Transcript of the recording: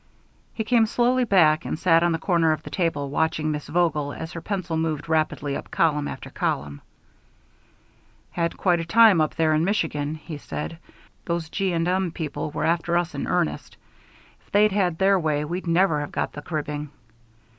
He came slowly back and sat on the corner of the table, watching Miss Vogel as her pencil moved rapidly up column after column. "Had quite a time up there in Michigan," he said. "Those G. & M. people were after us in earnest. If they'd had their way, we'd never have got the cribbing."